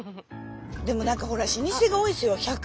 でも何かほら老舗が多いですよ。